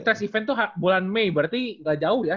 tes event tuh bulan mei berarti gak jauh ya